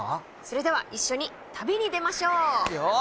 それでは一緒に旅に出ましょう。